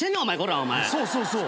そう！